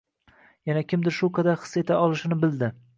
Yana kimdir shu qadar his eta olishini bildi.